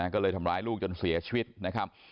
ก็เลยทำร้ายลูกจนเสียชีวิตนะครับ